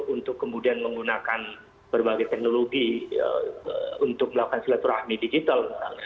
untuk kemudian menggunakan berbagai teknologi untuk melakukan silaturahmi digital